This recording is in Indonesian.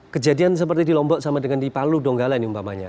kejadian seperti di lombok sama dengan di palu donggala ini umpamanya